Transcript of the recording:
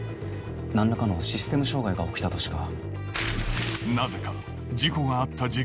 何らかのシステム障害が起きたとしか」